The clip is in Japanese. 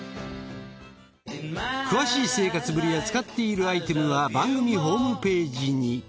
詳しい生活ぶりや使っているアイテムは番組ホームページに。